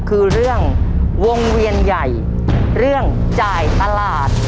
คือเรื่องวงเวียนใหญ่เรื่องจ่ายตลาด